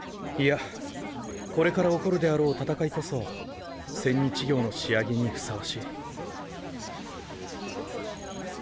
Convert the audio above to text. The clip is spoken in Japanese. いやこれから起こるであろう戦いこそ千日行の仕上げに相応しい。